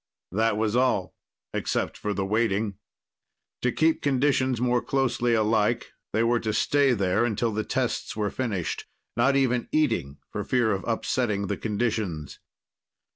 That was all, except for the waiting. To keep conditions more closely alike, they were to stay there until the tests were finished, not even eating for fear of upsetting the conditions.